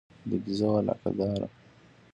د ګېزو علاقه داره.